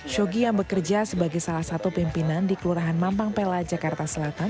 shogi yang bekerja sebagai salah satu pimpinan di kelurahan mampang pela jakarta selatan